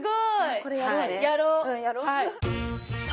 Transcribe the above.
これやろうね。